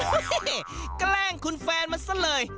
โอ้เฮ่แกล้งคุณแฟนมันสักเลย